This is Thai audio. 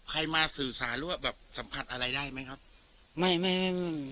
ใครมาสื่อสารหรือว่าแบบสัมผัสอะไรได้ไหมครับไม่ไม่ไม่